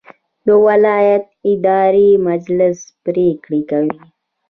د ولایت اداري مجلس پریکړې کوي